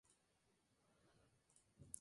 Es el jefe del Consejo Cultura de Dubái.